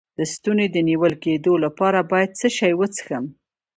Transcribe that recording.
د ستوني د نیول کیدو لپاره باید څه شی وڅښم؟